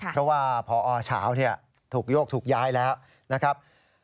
เพราะว่าพอเฉาถูกโยกถูกย้ายแล้วนะครับ